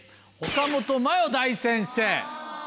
岡本真夜大先生。